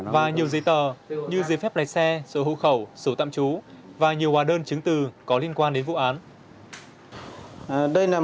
và nhiều giấy tờ như giấy phép lấy xe số hữu khẩu số tạm trú và nhiều hòa đơn chứng từ có liên quan đến vụ án